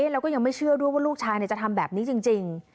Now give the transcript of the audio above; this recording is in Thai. แล้วก็ยังไม่เชื่อด้วยว่าลูกชายจะทำแบบนี้จริง